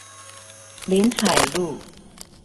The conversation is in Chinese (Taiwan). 臨海路